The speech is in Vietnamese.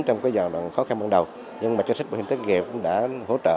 trong cái giai đoạn khó khăn ban đầu nhưng mà chính sách bảo hiểm thất nghiệp cũng đã hỗ trợ